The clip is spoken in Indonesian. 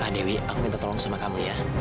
dewi aku minta tolong sama kamu ya